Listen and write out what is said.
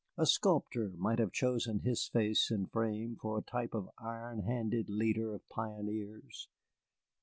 A sculptor might have chosen his face and frame for a type of the iron handed leader of pioneers.